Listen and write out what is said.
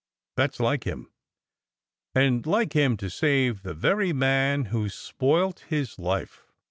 That s like him. And like him to save the very man who s spoilt his life.